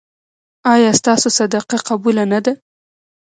ایا ستاسو صدقه قبوله نه ده؟